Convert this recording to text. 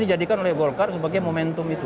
dijadikan oleh golkar sebagai momentum itu